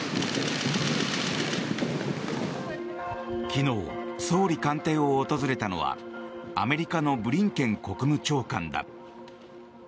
昨日、総理官邸を訪れたのはアメリカのブリンケン国務長官だ。